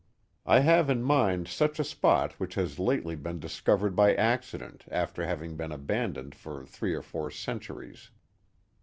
I have in mind such a spot which has lately been discov ered by accident after having been abandoned for three or four centuries.